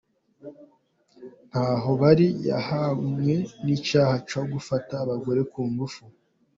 Ntahobali yahamwe n’icyaha cyo gufata abagore ku ngufu.